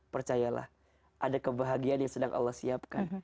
percayalah ada kebahagiaan yang sedang allah siapkan